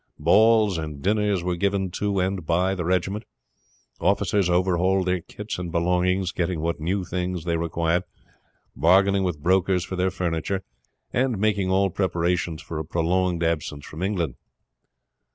Balls and dinners were given to and by the regiment. Officers overhauled their kits and belongings, getting what new things were required, bargaining with brokers for their furniture, and making all preparations for a prolonged absence from England.